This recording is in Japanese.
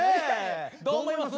どう思います？